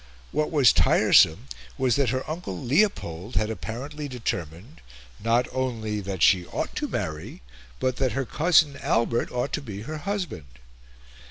What was tiresome was that her uncle Leopold had apparently determined, not only that she ought to marry, but that her cousin Albert ought to be her husband.